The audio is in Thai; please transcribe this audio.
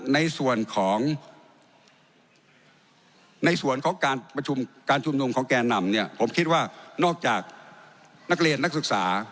ในส่วนของการชุมนุมของแกนำผมคิดว่านอกจากนักเรียนนักศึกษา